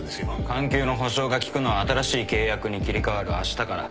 管球の保障が利くのは新しい契約に切り替わるあしたから。